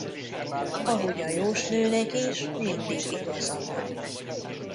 Ahogy a jósnőnek is mindig igaza van.